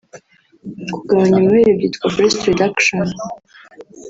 Kugabanya amabere byitwa Breast Reduction